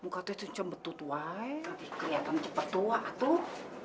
mukanya tuh cembetu tuai nanti keliatan cepetua atuh